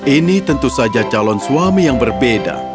ini tentu saja calon suami yang berbeda